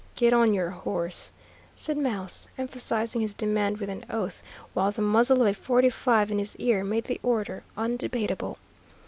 "Get on your horse," said Mouse, emphasizing his demand with an oath, while the muzzle of a forty five in his ear made the order undebatable.